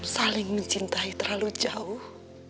saling mencintai terlalu jauh